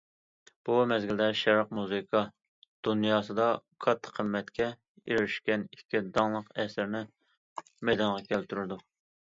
بۇ مەزگىلدە، شەرق مۇزىكا دۇنياسىدا كاتتا قىممەتكە ئېرىشكەن ئىككى داڭلىق ئەسىرىنى مەيدانغا كەلتۈرىدۇ.